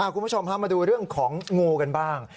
คุณผู้ชมพามาดูเรื่องของงูกันบ้าง